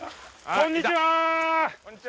こんにちは。